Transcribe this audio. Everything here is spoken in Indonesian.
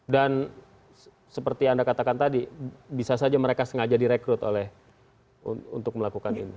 dan seperti anda katakan tadi bisa saja mereka sengaja direkrut oleh untuk melakukan ini